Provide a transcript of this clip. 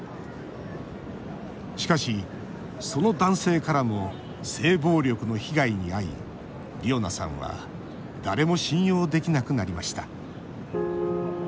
しかし、その男性からも性暴力の被害に遭いりおなさんは誰も信用できなくなりました。